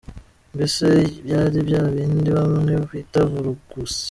Mbese byari bya bindi bamwe bita Vurugusi!